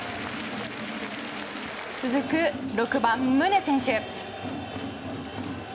続く６番、宗選手。